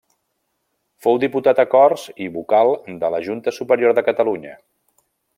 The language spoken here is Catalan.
Fou diputat a Corts i vocal de la Junta Superior de Catalunya.